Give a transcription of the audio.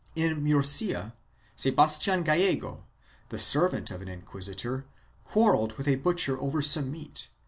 4 In Murcia, Sebastian Gallego, the servant of an inquisitor, quarrelled with a butcher over some meat, when 1 Pepise Comment.